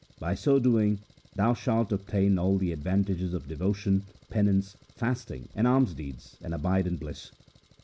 By so doing thou shalt obtain all the advantages of devotion, penance, fasting, and alms deeds, and abide in bliss.